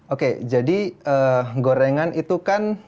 oke jadi gorengan itu kan